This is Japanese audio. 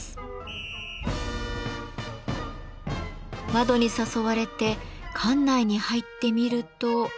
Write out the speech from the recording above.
窓に誘われて館内に入ってみると。